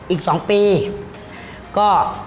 อีก๒ปีก็